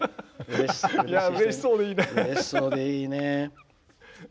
うれしそうでいいね。